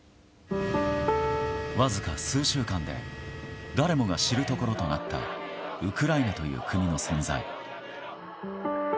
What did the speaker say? わずか数週間で誰もが知るところとなったウクライナという国の存在。